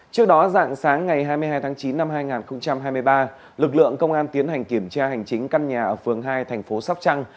trước đó dạng sáng ngày hai mươi hai tháng chín năm hai nghìn hai mươi ba lực lượng công an tiến hành kiểm tra hành chính căn nhà ở phường hai thành phố sóc trăng